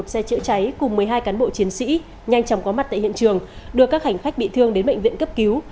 một xe chữa cháy cùng một mươi hai cán bộ chiến sĩ nhanh chóng có mặt tại hiện trường đưa các hành khách bị thương đến bệnh viện cấp cứu